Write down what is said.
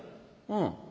うん。